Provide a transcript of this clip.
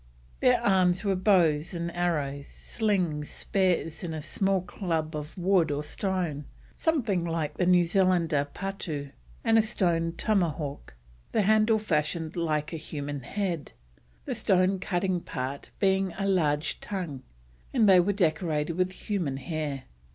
Their arms were bows and arrows, slings, spears, and a small club of wood or stone, something like the New Zealander's patoo, and a stone tomahawk, the handle fashioned like a human head, the stone cutting part being a large tongue, and they were decorated with human hair.